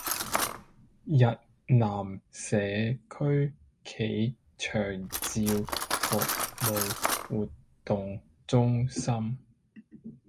日南社區暨長照服務活動中心